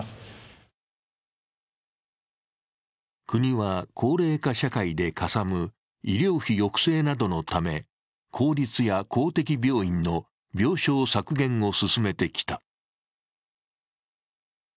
国は高齢化社会でかさむ医療費抑制などのため公立や公的病院の病床削減を進めてきた。